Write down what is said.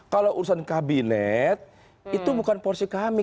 kalau urusan kabinet itu bukan porsi kami